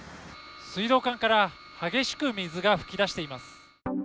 水道管から激しく水が噴き出しています。